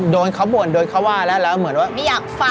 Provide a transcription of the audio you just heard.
โดนเขาบ่นโดนเขาว่าแล้วเราก็เหมือนว่า